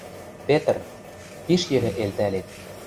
— Петр... пиш йӹле элтӓлет